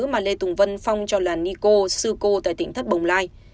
mà lê tùng vân phong cho là ni cô sư cô tại tỉnh thất bồng lai